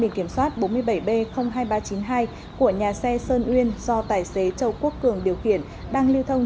biển kiểm soát bốn mươi bảy b hai nghìn ba trăm chín mươi hai của nhà xe sơn uyên do tài xế châu quốc cường điều khiển đang lưu thông